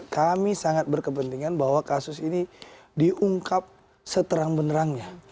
kami sangat berkepentingan bahwa kasus ini diungkap seterang benerangnya